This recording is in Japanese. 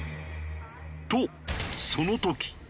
とその時。